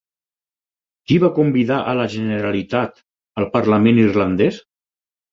Qui va convidar a la Generalitat al parlament irlandès?